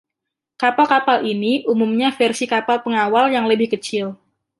Kapal-kapal ini umumnya versi kapal pengawal yang lebih kecil.